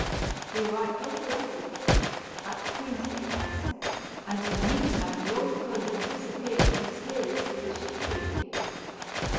He arrived all breathless, at the queen's behest, and in the meantime the old crone had disappeared as mysteriously as she came.